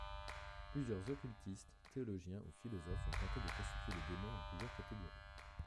Plusieurs occultiste, théologiens ou philosophes ont tenté de classifier les démons en plusieurs catégories.